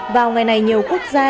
vào ngày này nhiều quốc gia